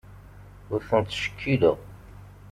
Ur ten-ttcekkileɣ.